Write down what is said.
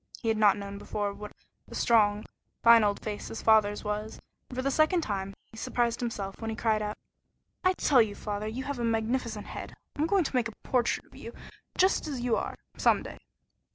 He had not known before what a strong, fine old face his father's was, and for the second time he surprised himself, when he cried out: "I tell you, father, you have a magnificent head! I'm going to make a portrait of you just as you are some day."